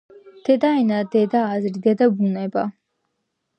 დედაენა, დედააზრი, დედაბუნება...